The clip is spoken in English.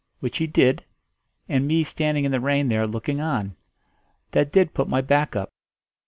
Which he did, and me standing in the rain there looking on. That did put my back up.